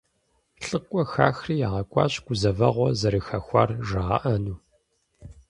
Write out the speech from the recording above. ЛӀыкӀуэ хахри ягъэкӀуащ гузэвэгъуэ зэрыхэхуар жрагъэӀэну.